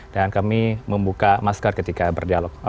dan kami membuka masker ketika berdialog